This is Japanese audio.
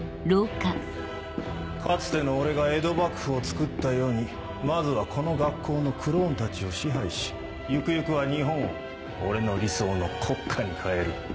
かつての俺が江戸幕府をつくったようにまずはこの学校のクローンたちを支配しゆくゆくは日本を俺の理想の国家に変える。